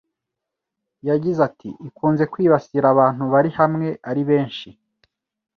yagize ati “Ikunze kwibasira abantu bari hamwe ari benshi